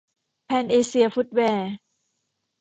แพนเอเซียฟุตแวร์